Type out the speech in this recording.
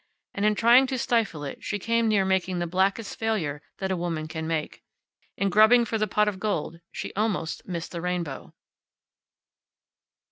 And in trying to stifle it she came near making the blackest failure that a woman can make. In grubbing for the pot of gold she almost missed the rainbow.